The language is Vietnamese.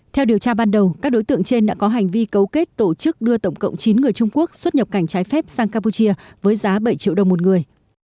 theo điều tra ban đầu các đối tượng trên đã có hành vi cấu kết tổ chức đưa tổng cộng chín người trung quốc xuất nhập cảnh trái phép sang campuchia với giá bảy triệu đồng một người